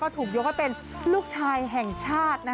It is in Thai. ถูกยกให้เป็นลูกชายแห่งชาติ